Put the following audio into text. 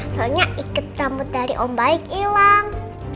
soalnya ikat rambut dari om baik hilang